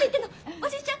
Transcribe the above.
おじいちゃん